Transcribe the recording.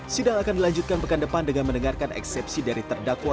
sidang akan dilanjutkan pekan depan dengan mendengarkan eksepsi dari terdakwa